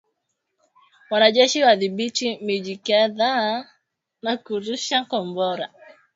Wanajeshi wadhibithi miji kadhaa na kurusha Kombora